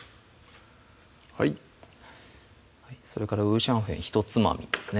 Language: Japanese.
はいそれから五香粉ひとつまみですね